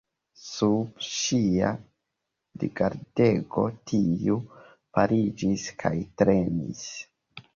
Sub ŝia rigardego tiu paliĝis kaj tremis.